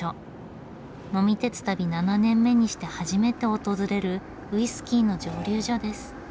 呑み鉄旅７年目にして初めて訪れるウイスキーの蒸留所です。